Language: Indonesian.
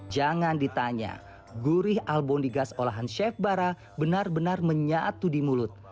jangan ditanya gurih albonigas olahan chef bara benar benar menyatu di mulut